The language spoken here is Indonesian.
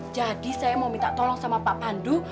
jadi saya mau minta tolong sama pak pandu